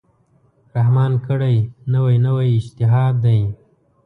رحمان کړی، نوی نوی اجتهاد دی